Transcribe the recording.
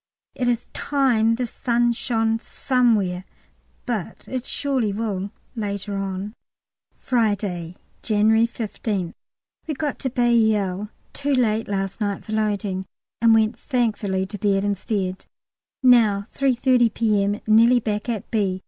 It is time the sun shone somewhere but it will surely, later on. Friday, January 15th. We got to Bailleul too late last night for loading, and went thankfully to bed instead. Now, 3.30 P.M., nearly back at B.